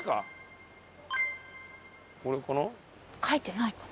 書いてないかな？